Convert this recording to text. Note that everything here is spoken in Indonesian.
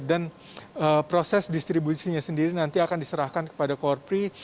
dan proses distribusinya sendiri nanti akan diserahkan kepada korpori